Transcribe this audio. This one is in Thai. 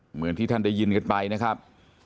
เหมือนที่ท่านได้ยินกันไปนะครับ